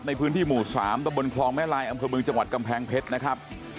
ในพื้นที่หมู่๓ตะบนคลองแม่ลายอำเภอเมืองจังหวัดกำแพงเพชรนะครับ